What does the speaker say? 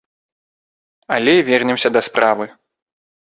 Але вернемся да справы.